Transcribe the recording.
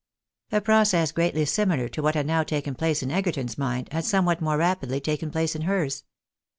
A process greatly similar to what had now taken place in Egerton's mind, had somewhat more rapidly taken place in hers.